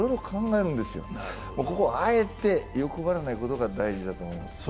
あえて欲張らないことが大事だと思います。